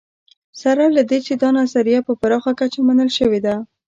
سره له دې چې دا نظریه په پراخه کچه منل شوې ده